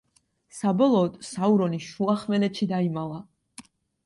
საბოლოოდ, საურონი შუახმელეთში დაიმალა.